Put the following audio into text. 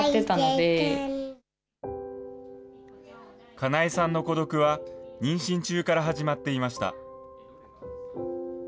香奈江さんの孤独は、妊娠中から始まっていました。